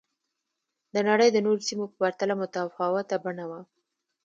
د نړۍ د نورو سیمو په پرتله متفاوته بڼه وه